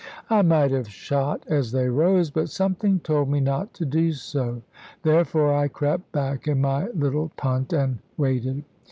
I might have shot as they rose, but something told me not to do so. Therefore I crept back in my little punt, and waited.